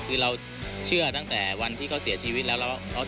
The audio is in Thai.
คือเราเชื่อตั้งแต่วันที่เขาเสียชีวิตแล้วแล้ว